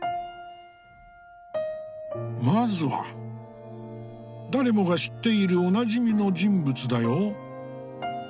まずは誰もが知っているおなじみの人物だよ。